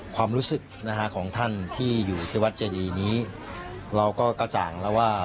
ความรู้สึกนะฮะของท่านที่อยู่ที่วัดเจดีนี้เราก็กระจ่างแล้วว่า